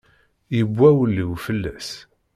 Yewwa wul-iw fell-as.